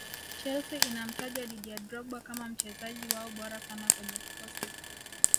chelsea inamtaja didier drogba kama mchezaji wao bora sana kwenye kikosi